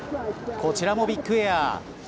こちらもビッグエア。